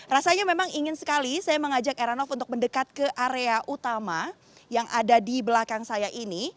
rasanya memang ingin sekali saya mengajak heranov untuk mendekat ke area utama yang ada di belakang saya ini